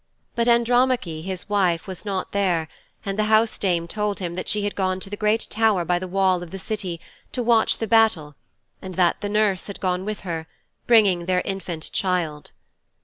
But Andromache, his wife, was not there, and the housedame told him that she had gone to the great tower by the wall of the City to watch the battle and that the nurse had gone with her, bringing their infant child.